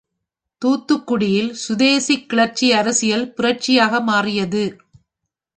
தூத்துக்குடியில், சுதேசிக் கிளர்ச்சி அரசியல் புரட்சியாக மாறியது.